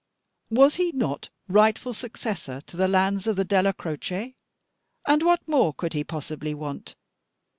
Was he not rightful successor to the lands of the Della Croce? and what more could he possibly want?